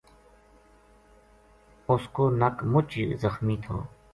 اس کو نک مُچ ہی زخمی تھو